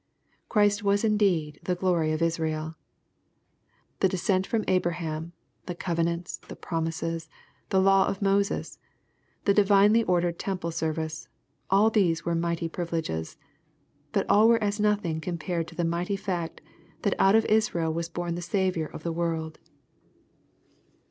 Christ was indeed " the glory of Israel." The descent from Abraham — the covenants — the promises — the law of Moses — the divinely ordered Temple service — all these were mighty privileges. But all were as nothing com pared to the mighty fact, that out of Israel was barn the Saviour of the world.